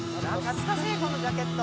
懐かしいこのジャケット。